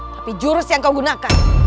tapi jurus yang kau gunakan